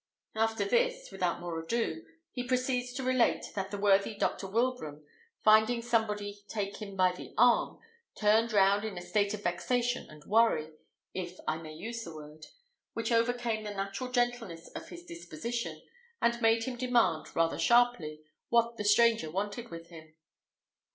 After this, without more ado, he proceeds to relate, that the worthy Dr. Wilbraham, finding somebody take him by the arm, turned round in a state of vexation and worry, if I may use the word, which overcame the natural gentleness of his disposition, and made him demand, rather sharply, what the stranger wanted with him.